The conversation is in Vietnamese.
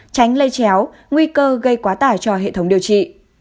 tránh lây chéo nguy cơ gây quá tải cho hệ thống điều trị